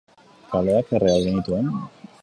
Kaleak erre al genituen?